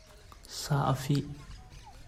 Sa a fip.